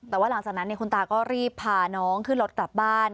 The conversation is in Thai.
แต่ว่าหลังจากนั้นคุณตาก็รีบพาน้องขึ้นรถกลับบ้าน